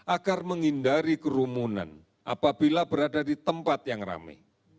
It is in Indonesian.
agar menghindari kerumunan apabila berada di tempat yang rame